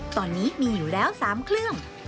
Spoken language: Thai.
ตอนนี้มีอยู่แล้ว๓เครื่อง